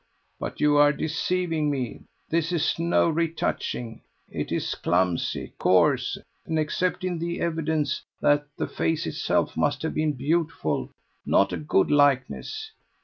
"But you are deceiving me; this is no retouching; it is clumsy coarse; and, except in the evidence that the face itself must have been beautiful, not a good likeness.